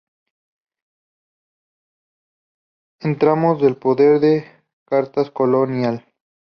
Entramados del poder en Charcas colonial".